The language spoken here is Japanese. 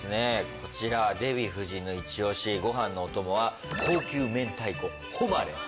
こちらデヴィ夫人のイチオシごはんのお供は高級明太子誉。